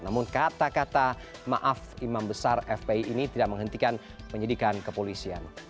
namun kata kata maaf imam besar fpi ini tidak menghentikan penyidikan kepolisian